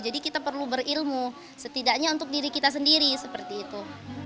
jadi kita perlu berilmu setidaknya untuk diri kita sendiri seperti itu